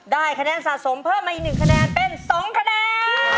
คะแนนสะสมเพิ่มมาอีก๑คะแนนเป็น๒คะแนน